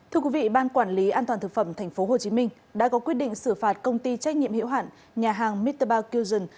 thưa quý vị ban quản lý an toàn thực phẩm tp hcm đã có quyết định xử phạt công ty trách nhiệm hiệu hạn nhà hàng miterbason